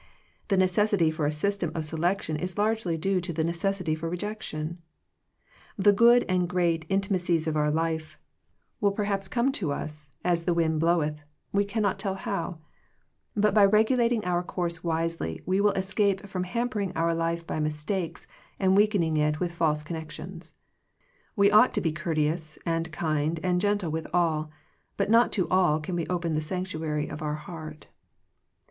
The necessity for a system of selection is largely due to the necessity for rejection. The good and great in timacies of our life will perhaps come to 95 Digitized by VjOOQIC THE CHOICE OF FRIENDSHIP us, as the wind bloweth, we cannot tell how. But by regulating our course wisely, we will escape from hampering our life by mistakes, and weakening it with false connections. We ought to be courteous, and kind, and gentle with all, but not to all can we open the sanctuary of our heart.